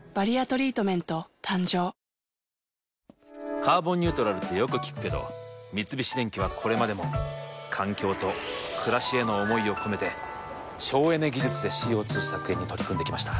「カーボンニュートラル」ってよく聞くけど三菱電機はこれまでも環境と暮らしへの思いを込めて省エネ技術でＣＯ２削減に取り組んできました。